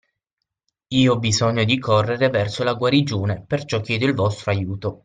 Io ho bisogno di correre verso la guarigione perciò chiedo il vostro aiuto.